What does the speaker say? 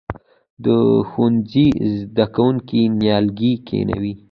د ښوونځي زده کوونکي نیالګي کینوي؟